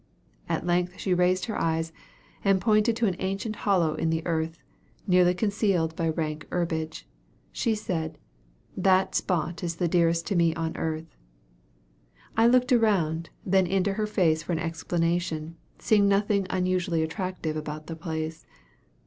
At length she raised her eyes, and pointing to an ancient hollow in the earth, nearly concealed by rank herbage, she said, "that spot is the dearest to me on earth." I looked around, then into her face for an explanation, seeing nothing unusually attractive about the place.